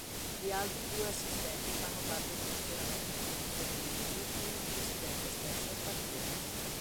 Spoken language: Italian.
Gli altri due Assistenti fanno parte dello schieramento politico-religioso cui il Presidente stesso appartiene.